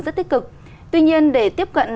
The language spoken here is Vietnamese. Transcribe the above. rất tích cực tuy nhiên để tiếp cận